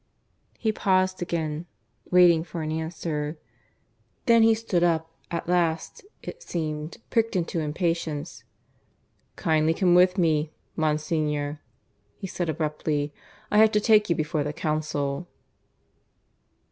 He paused again, waiting for an answer. Then he stood up, at last, it seemed, pricked into impatience. "Kindly come with me, Monsignor," he said abruptly. "I have to take you before the Council."